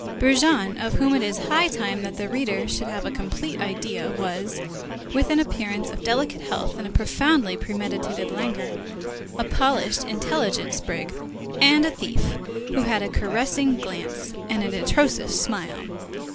Brujon, of whom it is high time that the reader should have a complete idea, was, with an appearance of delicate health and a profoundly premeditated languor, a polished, intelligent sprig, and a thief, who had a caressing glance, and an atrocious smile.